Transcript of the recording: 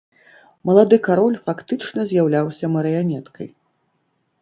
Малады кароль фактычна з'яўляўся марыянеткай.